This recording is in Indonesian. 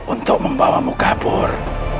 untuk membawamu kabur